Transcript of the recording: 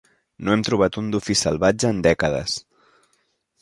No hem trobat un dofí salvatge en dècades.